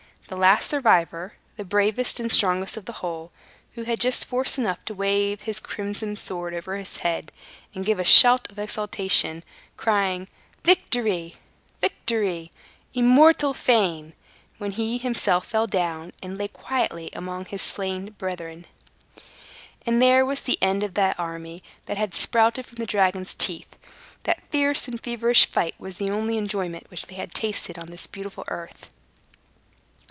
The last survivor, the bravest and strongest of the whole, had just force enough to wave his crimson sword over his head and give a shout of exultation, crying, "Victory! Victory! Immortal fame!" when he himself fell down, and lay quietly among his slain brethren. And there was the end of the army that had sprouted from the dragon's teeth. That fierce and feverish fight was the only enjoyment which they had tasted on this beautiful earth.